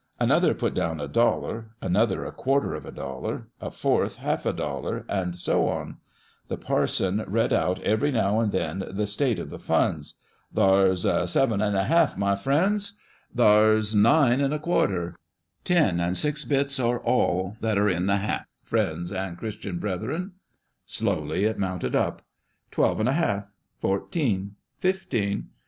Another put down a dollar, another a quarter of a dollar, a fourth ialf a dollar, and so on. The parson read out ivery now and then the state of the funds :" Thar's seven and a half, my friends." " Thar's Charles Dickens*.] ALL THE YEAR ROUND. [October 24, 18GS.] 465 nine and a quarter." " Ten and six bits are all that are in the hat, friends and Christian brethren." Slowly it mounted up. " Twelve and a half." "Fourteen." "Fifteen."